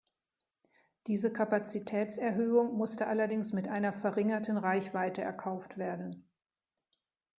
Diese Kapazitätserhöhung musste allerdings mit einer verringerten Reichweite erkauft werden.